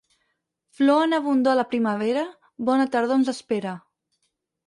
Flor en abundor a la primavera, bona tardor ens espera.